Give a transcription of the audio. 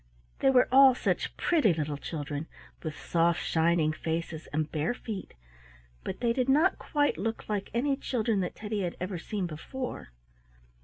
They were all such pretty little children, with soft shining faces and bare feet, but they did not quite look like any children that Teddy had ever seen before.